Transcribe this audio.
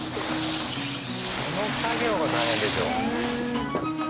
この作業が大変でしょ。